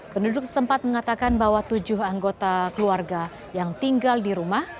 penduduk setempat mengatakan bahwa tujuh anggota keluarga yang tinggal di rumah